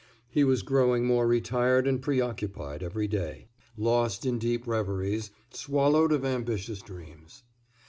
He was growing more retired and preoccupied every day,—lost in deep reveries, swallowed of ambitious dreams.